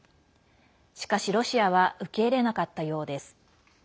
しかし、ロシアは受け入れなかったようです。